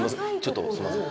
ちょっとすいません